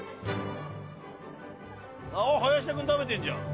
あ林田君食べてんじゃん。